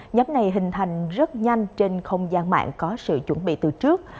nhóm này hình thành rất nhanh trên không gian mạng có sự chuẩn bị từ trước